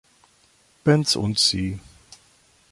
Benz & Cie.